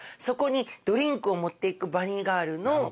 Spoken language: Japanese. そこにドリンクを持っていくバニーガールの。